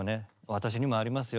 私にもありますよ。